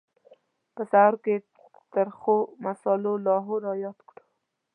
په سهار کې ترخو مسالو لاهور را یاد کړو.